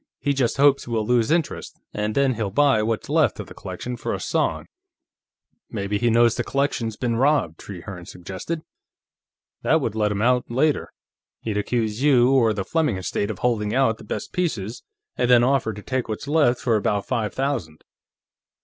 "He just hopes we'll lose interest, and then he'll buy what's left of the collection for a song." "Maybe he knows the collection's been robbed," Trehearne suggested. "That would let him out, later. He'd accuse you or the Fleming estate of holding out the best pieces, and then offer to take what's left for about five thousand."